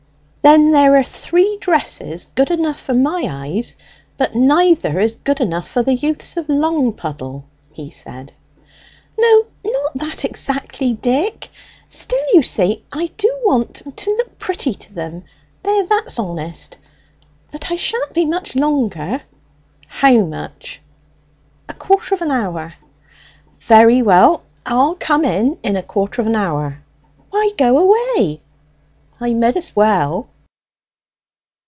"Then there are three dresses good enough for my eyes, but neither is good enough for the youths of Longpuddle," he said. "No, not that exactly, Dick. Still, you see, I do want to look pretty to them there, that's honest! But I sha'n't be much longer." "How much?" "A quarter of an hour." "Very well; I'll come in in a quarter of an hour." "Why go away?" "I mid as well."